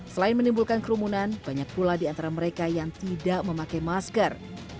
selain menimbulkan kerumunan banyak pula di antara mereka yang tidak memakai masker